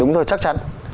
đúng rồi chắc chắn